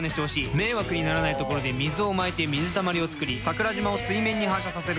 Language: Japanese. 迷惑にならないところで水をまいて水たまりを作り桜島を水面に反射させる